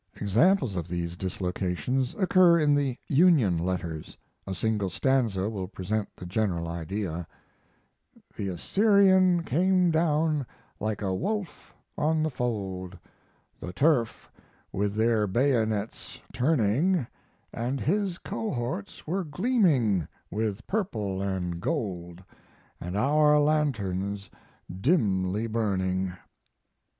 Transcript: Examples of these dislocations occur in the Union letters; a single stanza will present the general idea: The Assyrian came down like a wolf on the fold, The turf with their bayonets turning, And his cohorts were gleaming with purple and gold, And our lanterns dimly burning.